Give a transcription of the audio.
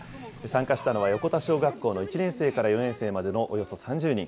参加したのは横田小学校の１年生から４年生までのおよそ３０人。